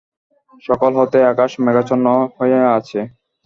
সকাল হইতেই আকাশ মেঘাচ্ছন্ন হইয়া আছে।